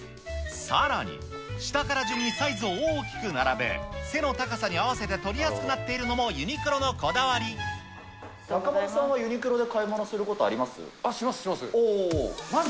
さらに、下から順にサイズを大きく並べ、背の高さに合わせて取りやすくなっているのも、中丸さんは、ユニクロで買いします、します。